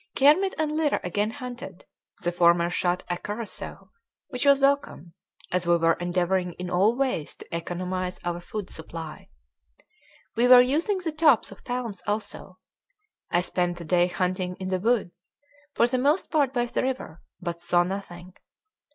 Kermit and Lyra again hunted; the former shot a curassow, which was welcome, as we were endeavoring in all ways to economize our food supply. We were using the tops of palms also. I spent the day hunting in the woods, for the most part by the river, but saw nothing.